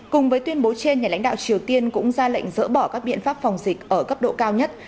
cùng với tuyên bố trên nhà lãnh đạo triều tiên cũng ra lệnh dỡ bỏ các biện pháp phòng dịch ở cấp độ cao nhất